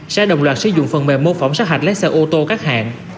sẽ đồng loạt sử dụng phần mềm mô phỏng sát hạch lái xe ô tô các hạng